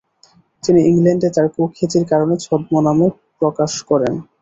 তিনি ইংল্যান্ডে তার কুখ্যাতির কারণে ছদ্মনামে প্রকাশ করেন।